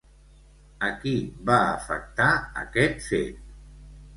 A qui va afectar aquest fet?